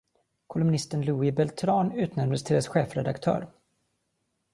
Kolumnisten Louie Beltran utnämndes till dess chefredaktör.